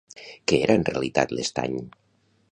Què era en realitat l'estany?